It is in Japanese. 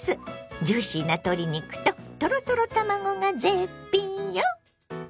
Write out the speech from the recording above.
ジューシーな鶏肉とトロトロ卵が絶品よ！